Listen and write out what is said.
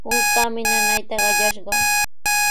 Kunkaami nanayta qallashqa.